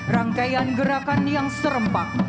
rangkaian gerakan yang serempak